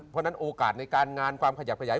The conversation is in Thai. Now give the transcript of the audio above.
เพราะฉะนั้นโอกาสในการงานความขยับขยาย